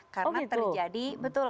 karena terjadi betul